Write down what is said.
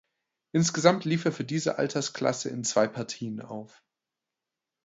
Insgesamt lief er für diese Altersklasse in zwei Partien auf.